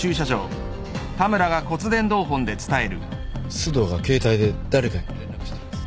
須藤が携帯で誰かに連絡しています。